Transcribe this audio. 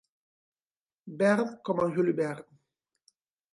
Verd com el julivert.